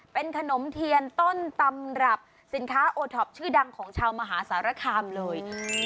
เป็นขนมเทียนต้นตำรับสินค้าโอท็อปชื่อดังของชาวมหาสารคามเลย